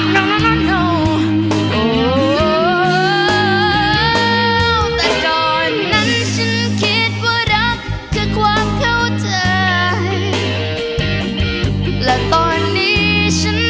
แต่ก่อนนั้นฉันคิดว่ารักคือความเข้าเถิน